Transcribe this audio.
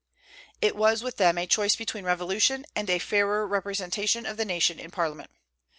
It was, with them, a choice between revolution and a fairer representation of the nation in Parliament.